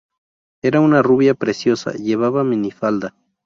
Era una rubia preciosa llevaba minifalda.